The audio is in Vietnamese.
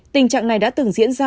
tình trạng này đã từng diễn ra